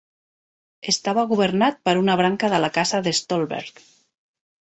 Estava governat per una branca de la Casa de Stolberg.